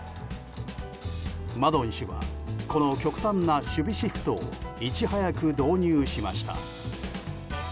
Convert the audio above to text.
マドン氏はこの極端な守備シフトをいち早く導入しました。